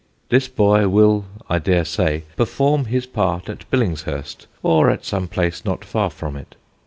This boy will, I daresay, perform his part at Billingshurst, or at some place not far from it.